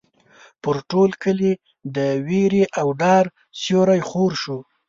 پر ټول کلي د وېرې او ډار سیوری خور شو.